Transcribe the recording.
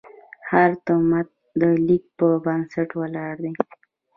هر تمدن د لیک په بنسټ ولاړ دی.